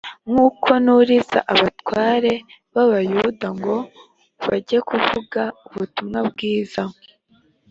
nuko nuriza abatware b’abayuda ngo bajye kuvuga ubutumwa bwiza